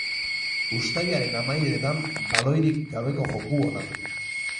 Uztaiaren amaieretan, baloirik gabeko joko ona du.